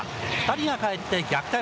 ２人がかえって逆転。